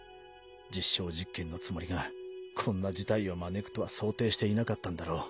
実証実験のつもりがこんな事態を招くとは想定していなかったんだろう。